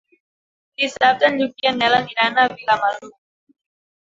Dissabte en Lluc i en Nel aniran a Vilamalur.